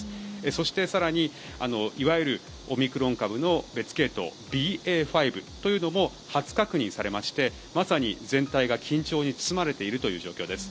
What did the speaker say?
そして更にいわゆるオミクロン株の別系統、ＢＡ．５というのも初確認されましてまさに全体が緊張に包まれているという状況です。